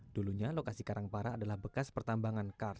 dulunya lokasi karang para adalah bekas pertambangan karj